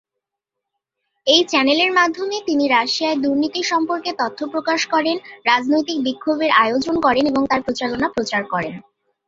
এই চ্যানেলের মাধ্যমে, তিনি রাশিয়ায় দুর্নীতি সম্পর্কে তথ্য প্রকাশ করেন, রাজনৈতিক বিক্ষোভের আয়োজন করেন এবং তার প্রচারণা প্রচার করেন।